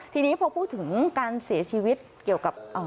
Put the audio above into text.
ทีนี้พอพูดถึงการเสียชีวิตเกี่ยวกับ